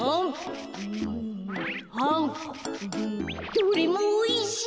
どれもおいしい！